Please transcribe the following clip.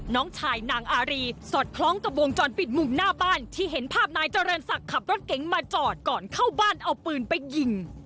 น้องชายนางอารีสอดคล้องกับวงจรปิดมุมหน้าบ้านที่เห็นภาพนายเจริญศักดิ์ขับรถเก๋งมาจอดก่อนเข้าบ้านเอาปืนไปยิง